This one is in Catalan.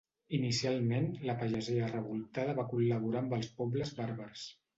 Inicialment la pagesia revoltada va col·laborar amb els pobles bàrbars.